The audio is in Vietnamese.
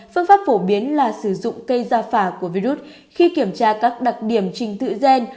phương pháp phổ biến là sử dụng cây ra phà của virus khi kiểm tra các đặc điểm trình tự gen